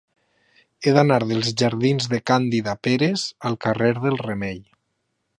He d'anar dels jardins de Càndida Pérez al carrer del Remei.